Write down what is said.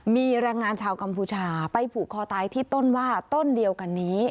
มีแรงงานชาวกัมพูชาไปผูกคอตายที่ต้นว่าต้นเดียวกันนี้